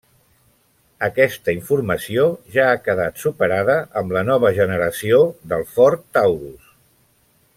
Aquesta informació ja ha quedat superada amb la nova generació del Ford Taurus.